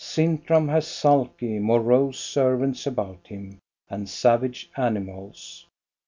Sintram has sulky, morose servants about him, and savage animals.